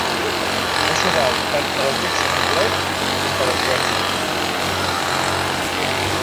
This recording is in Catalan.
Això val tant per al text complet com per als versos.